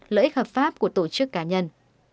lợi ích hợp pháp của tổ chức cá nhân